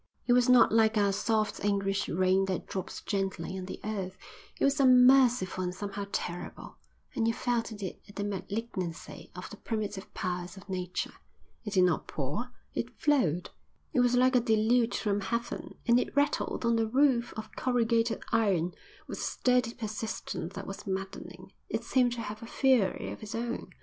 It was not like our soft English rain that drops gently on the earth; it was unmerciful and somehow terrible; you felt in it the malignancy of the primitive powers of nature. It did not pour, it flowed. It was like a deluge from heaven, and it rattled on the roof of corrugated iron with a steady persistence that was maddening. It seemed to have a fury of its own.